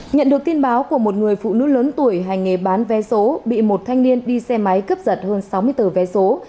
nhận được tin báo của một người phụ nữ lớn tuổi hành nghề bán vé số bị một thanh niên đi xe máy cướp giật hơn sáu mươi tờ vé số